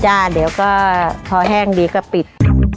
เดี๋ยวก็พอแห้งดีก็ปิด